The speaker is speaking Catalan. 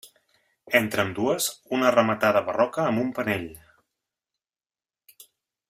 Entre ambdues, una rematada barroca amb un penell.